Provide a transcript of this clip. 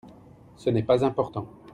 Ce n'est pas important.